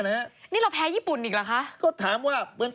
นี่เราแพ้ญี่ปุ่นอีกเหรอคะ